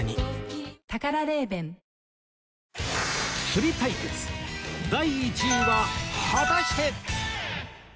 釣り対決第１位は果たして